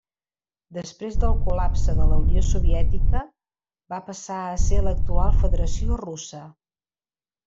Després del col·lapse de la Unió Soviètica va passar a ser l'actual Federació Russa.